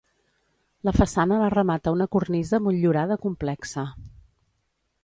La façana la remata una cornisa motllurada complexa.